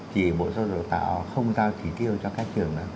chỉ bộ giáo dục tạo không giao chỉ tiêu cho các trường